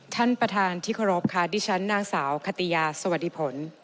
ท่านประธานที่ขอรบคดีชนท์นางสาวคตียาสวัสดีผล